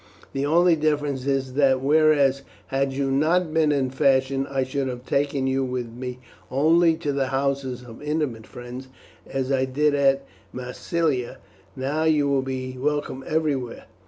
The only difference is that whereas, had you not been in fashion, I should have taken you with me only to the houses of intimate friends, as I did at Massilia, now you will be welcome everywhere.